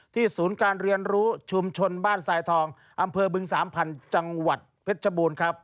ศูนย์การเรียนรู้ชุมชนบ้านทรายทองอำเภอบึงสามพันธุ์จังหวัดเพชรชบูรณ์ครับ